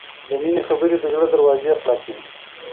د مینې خبرې د زړه دروازې خلاصوي.